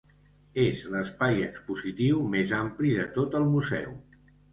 És l'espai expositiu més ampli de tot el museu.